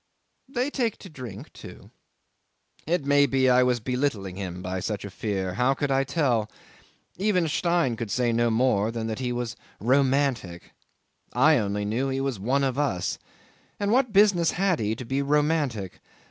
They take to drink too. It may be I was belittling him by such a fear. How could I tell? Even Stein could say no more than that he was romantic. I only knew he was one of us. And what business had he to be romantic?